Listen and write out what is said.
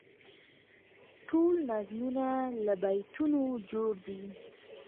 ټول نظمونه له بیتونو جوړ دي.